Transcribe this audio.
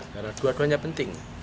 karena dua duanya penting